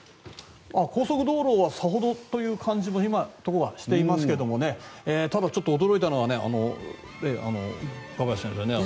高速道路はさほどという感じが今はしていますがただちょっと驚いたのは中林先生